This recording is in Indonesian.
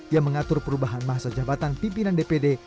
yang mengatur perubahan masa jabatan pimpinan dpd